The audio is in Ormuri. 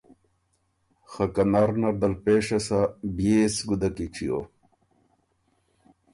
خه که نرنردل پېشه سۀ، بيې سو ګُده کی چیو؟“